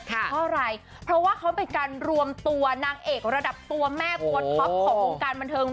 เพราะอะไรเพราะว่าเขาเป็นการรวมตัวนางเอกระดับตัวแม่ตัวท็อปของวงการบันเทิง